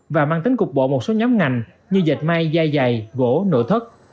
và mang tính cục bộ một số nhóm ngành như dạch mai dài dày gỗ nội thất